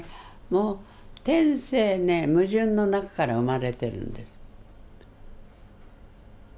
もう天性ね矛盾の中から生まれてるんです。